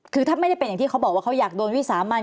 คือถ้าไม่ได้เป็นอย่างที่เขาบอกว่าเขาอยากโดนวิสามัน